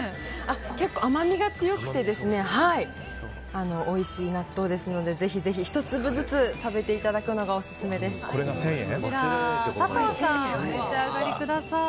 結構、甘みが強くておいしい納豆ですので、ぜひぜひ１粒ずつ食べていただくのが佐藤さん、召し上がりください。